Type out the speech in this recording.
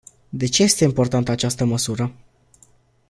De ce este importantă această măsură?